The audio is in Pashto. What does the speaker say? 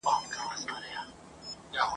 یو څو شپې د عدالت کوي غوښتنه ..